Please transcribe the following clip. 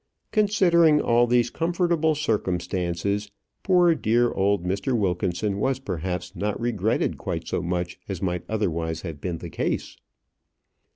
Considering all these comfortable circumstances, poor dear old Mr. Wilkinson was perhaps not regretted quite so much as might otherwise have been the case.